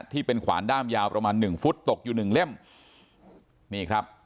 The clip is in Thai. ขวานด้ามยาวประมาณหนึ่งฟุตตกอยู่หนึ่งเล่มนี่ครับ